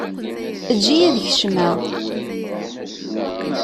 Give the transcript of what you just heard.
Eǧǧ-iyi ad kecmeɣ.